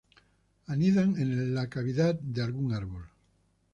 Anidan en la cavidad de algún árbol.